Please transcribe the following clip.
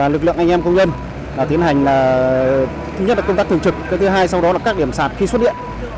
lực lượng anh em công nhân tiến hành công tác thường trực sau đó các điểm sạt khi xuất điện